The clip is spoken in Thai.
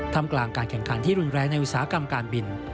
ทำกลางการแข่งขันที่รุนแรงในอุตสาหกรรมการบิน